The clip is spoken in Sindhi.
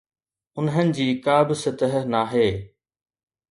انهن جي ڪا به سطح ناهي.